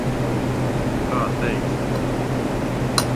Kā teiksi.